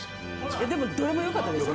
でもどれもよかったですよ。